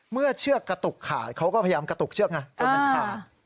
เชือกกระตุกขาดเขาก็พยายามกระตุกเชือกไงจนมันขาด